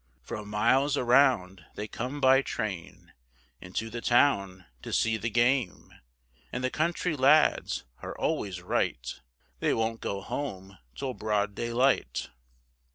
From miles around they come by train, Into the town to see the game; And the country lads are always right, They won't go home till broad daylight.